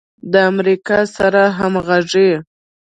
د امریکا سره همغږي